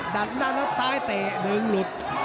ดัดแล้วซ้ายเตะหนึ่งหลุด